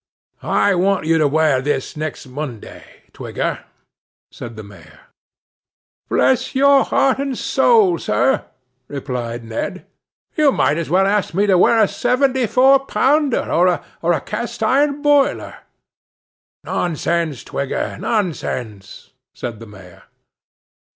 'I want you to wear this next Monday, Twigger,' said the Mayor. 'Bless your heart and soul, sir!' replied Ned, 'you might as well ask me to wear a seventy four pounder, or a cast iron boiler.' 'Nonsense, Twigger, nonsense!' said the Mayor.